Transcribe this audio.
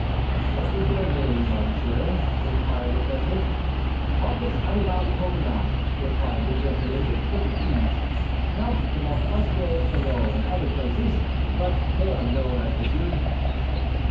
"What is your name, monsieur?" inquired the president. "Marcus Annibal de Coconnas," replied the gentleman with perfect ease. "Count de Montpantier, Chenaux, and other places; but they are known, I presume."